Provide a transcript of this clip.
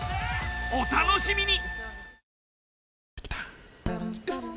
お楽しみに！